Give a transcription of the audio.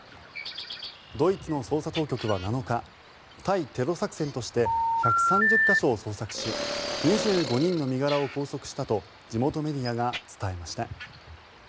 ドイツの捜査当局は７日対テロ作戦として１３０か所を捜索し２５人の身柄を拘束したと地元メディアが伝えました。